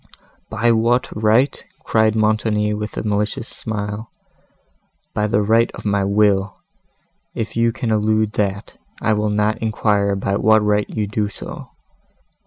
"By what right!" cried Montoni, with a malicious smile, "by the right of my will; if you can elude that, I will not inquire by what right you do so.